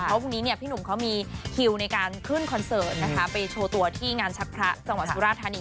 เพราะพรุ่งนี้เนี่ยพี่หนุ่มเขามีคิวในการขึ้นคอนเสิร์ตนะคะไปโชว์ตัวที่งานชักพระจังหวัดสุราธานี